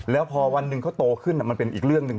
แล้วพอวันหนึ่งเขาโตขึ้นมันเป็นอีกเรื่องหนึ่ง